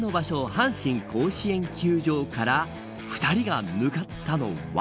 阪神甲子園球場から２人が向かったのは。